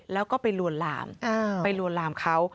แล้วก็ไปลวนลามเขา